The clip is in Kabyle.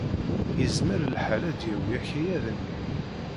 Yezmer lḥal ad d-yawi akayad-nni.